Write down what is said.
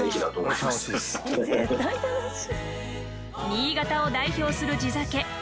新潟を代表する地酒越乃